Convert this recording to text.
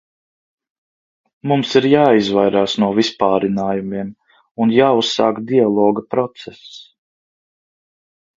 Mums ir jāizvairās no vispārinājumiem un jāuzsāk dialoga process.